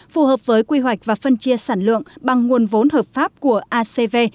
phù hợp với quy hoạch và phân chia sản lượng bằng nguồn vốn hợp pháp của acv